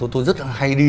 tôi rất hay đi